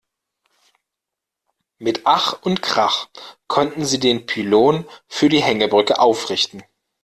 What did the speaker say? Mit Ach und Krach konnten sie den Pylon für die Hängebrücke aufrichten.